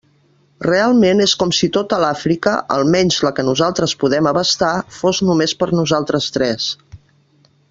Realment és com si tota l'Àfrica, almenys la que nosaltres podem abastar, fos només per a nosaltres tres.